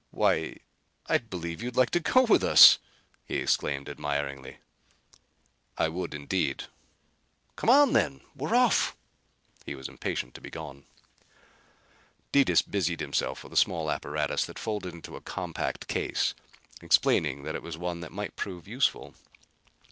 "Why, I believe you'd like to go with us!" he exclaimed admiringly. "I would, indeed." "Come on then. We're off." He was impatient to be gone. Detis busied himself with a small apparatus that folded into a compact case, explaining that it was one that might prove useful.